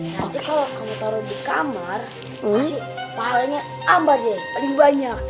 nanti kalau kamu taruh di kamar pasti mahalnya amba deh paling banyak